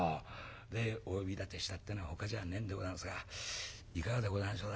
でお呼び立てしたってえのはほかじゃあねえんでござんすがいかがでござんしょう？